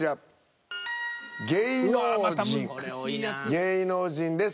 「芸能人」です。